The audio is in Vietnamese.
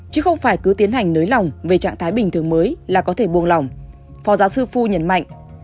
chứ không phải cứ tiến hành nới lỏng về trạng thái bình thường mới là có thể buông lỏng phó giáo sư phu nhấn mạnh